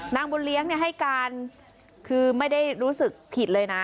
นางบุญเลี้ยงให้การคือไม่ได้รู้สึกผิดเลยนะ